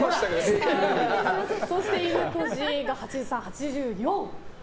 そして、いぬこじが８３、８４。